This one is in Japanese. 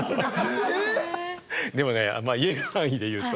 でもね言える範囲で言うと。